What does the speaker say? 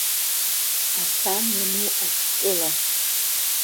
Асаан иану атә-тәыла.